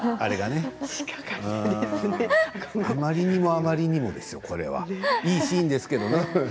あまりにもあまりにもですよ。いいシーンですけれどね。